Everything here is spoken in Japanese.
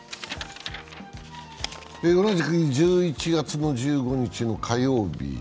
同じく１１月の１５日火曜日。